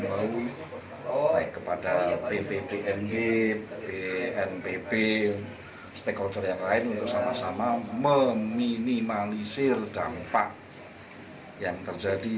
baik kepada bpdm bnpb stakeholder yang lain untuk sama sama meminimalisir dampak yang terjadi